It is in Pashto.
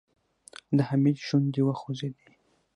د حميد شونډې وخوځېدې.